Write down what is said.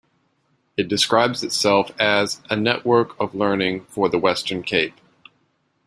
It describes itself as "A Network of Learning for the Western Cape".